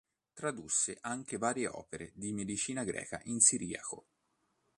Tradusse anche varie opere di medicina greca in siriaco.